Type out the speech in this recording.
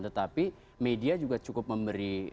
tetapi media juga cukup memberi